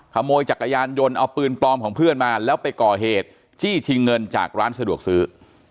ขโมยจักรยานยนต์เอาปืนปลอมของเพื่อนมาแล้วไปก่อเหตุจี้ชิงเงินจากร้านสะดวกซื้อ